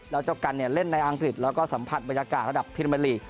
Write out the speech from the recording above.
แล้วเจ้ากันเล่นในอังกฤษแล้วก็สัมผัสบรรยากาศระดับพรีเมอร์ลีก